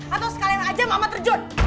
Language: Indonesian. atau sekalian aja mama terjun